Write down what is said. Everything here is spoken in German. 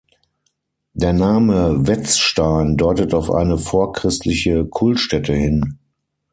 Der Name "Wetzstein" deutet auf eine vorchristliche Kultstätte hin.